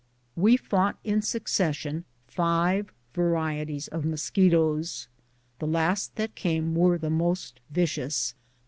We fought in succession five varieties of mosquitoes; the last that came were the most vicious.